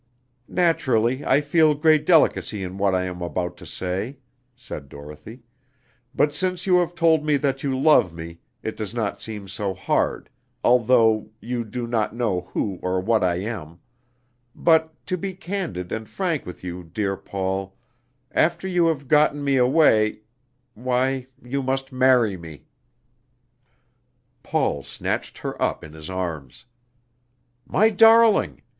"Naturally, I feel great delicacy in what I am about to say," said Dorothy; "but since you have told me that you love me, it does not seem so hard, although you do not know who or what I am but, to be candid and frank with you, dear Paul, after you have gotten me away why, you must marry me!" Paul snatched her up in his arms. "My darling!"